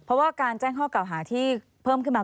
เพราะว่าการแจ้งข้อเก่าหาที่เพิ่มขึ้นมา